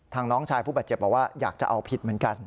น้องชายผู้บาดเจ็บบอกว่าอยากจะเอาผิดเหมือนกัน